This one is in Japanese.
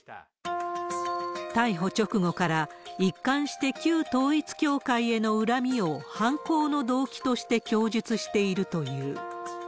逮捕直後から、一貫して旧統一教会への恨みを犯行の動機として供述しているという。